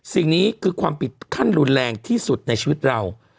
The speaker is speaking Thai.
สิ่งนี้คือความผิดขั้นรุนแรงที่สุดในชีวิตเรา